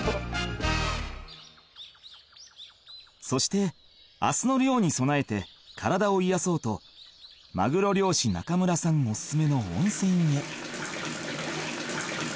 ［そして明日の漁に備えて体を癒やそうとマグロ漁師中村さんおすすめの温泉へ］